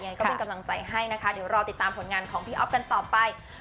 ยังไงก็เป็นกำลังใจให้นะคะเดี๋ยวรอติดตามผลงานของพี่อ๊อฟกันต่อไป